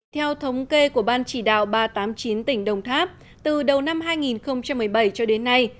theo thống kê của ban chỉ đạo ba trăm tám mươi chín tỉnh đồng tháp từ đầu năm hai nghìn một mươi bảy cho đến nay